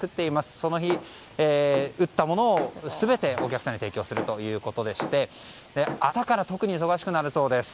その日、打ったものを全てお客さんに提供するということでして明日から特に忙しくなるそうです。